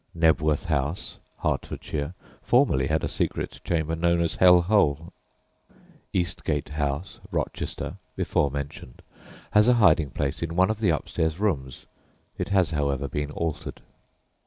Knebworth House, Hertfordshire, formerly had a secret chamber known as "Hell Hole." Eastgate House, Rochester (before mentioned), has a hiding place in one of the upstairs rooms. It has, however, been altered.